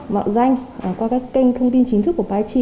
mạo danh qua các kênh thông tin chính thức của phai chi